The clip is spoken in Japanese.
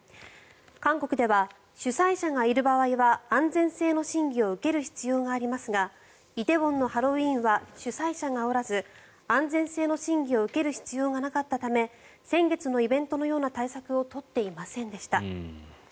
韓国では主催者がいる場合は安全性の審議を受ける必要がありますが梨泰院のハロウィーンは主催者がおらず安全性の審議を受ける必要がなかったため先月のイベントのような対策を取っていませんでした。